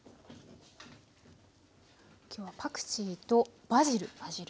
今日はパクチーとバジル。